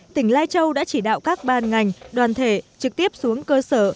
tỉnh lai châu đã chỉ đạo các ban ngành đoàn thể trực tiếp xuống cơ sở